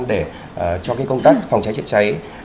để cho công tác phòng cháy chết cháy